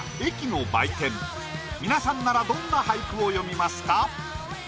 もう皆さんならどんな俳句を詠みますか？